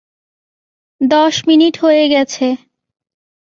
দশ মিনিট হয়ে গেছে।